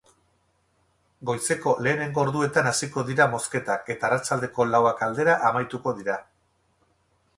Goizeko lehenengo orduetan hasiko dira mozketak eta arratsaldeko lauak aldera amaituko dira.